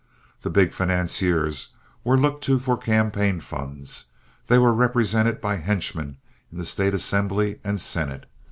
The big financiers were looked to for campaign funds. They were represented by henchmen in the State assembly and senate.